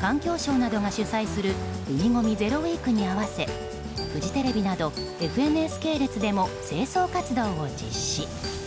環境省などが主催する海ごみゼロウィークに合わせフジテレビなどＦＮＳ系列でも清掃活動を実施。